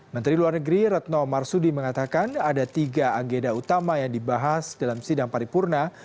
menteri luar negeri retno marsudi mengatakan ada tiga agenda utama yang dibahas dalam sidang paripurna